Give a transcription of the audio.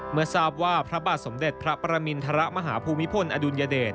เมื่อทราบว่าพระบาทสมเด็จพระประมินทรมาฮภูมิพลอดุลยเดช